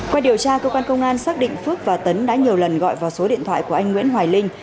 qua điều tra cơ quan công an xác định phước và tấn đã nhiều lần gọi vào số điện thoại của anh nguyễn hoài linh